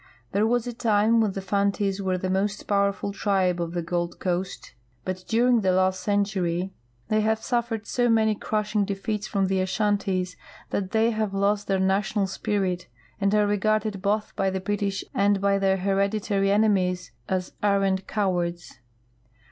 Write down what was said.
There was a time when the Fantis were the most powerful tril)e of the Gold coast, but during the last century they have 8 THE GOLD COAST, ASHANTI, AND KUMASSI suffered so many crushing defeats from the Ashantis that they have lost their national spirit, and are regarded both by the Brit ish and by their hereditary enemies as arrant cowards.